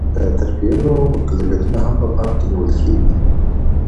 د طرفینو مکلفیتونه هم په پام کې نیول کیږي.